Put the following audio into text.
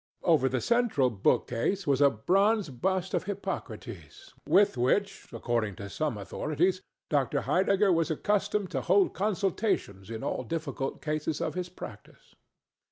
Over the central bookcase was a bronze bust of Hippocrates, with which, according to some authorities, Dr. Heidegger was accustomed to hold consultations in all difficult cases of his practice.